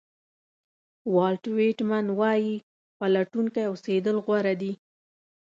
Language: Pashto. والټ وېټمن وایي پلټونکی اوسېدل غوره دي.